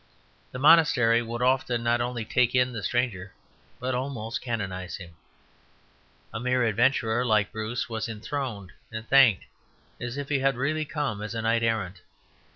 The monastery would often not only take in the stranger but almost canonize him. A mere adventurer like Bruce was enthroned and thanked as if he had really come as a knight errant.